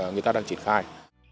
người ta đang triển khai